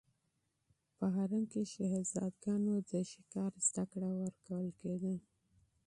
په حرم کې شهزادګانو ته د ښکار زده کړه ورکول کېده.